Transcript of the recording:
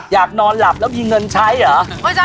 อยากนอนหลับแล้วมีเงินใช้เหรอ